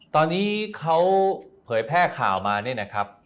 ตอนนี้เขาเผยแพร่ข่าวมาเนี่ยนะครับ